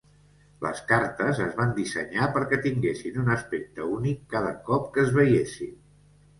Les cartes es van dissenyar perquè tinguessin un aspecte únic cada cop que es veiessin.